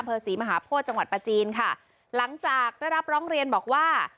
ศรีมหาโพธิจังหวัดประจีนค่ะหลังจากได้รับร้องเรียนบอกว่า